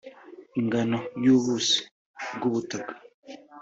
ingano y’ubuso bw’ubutaka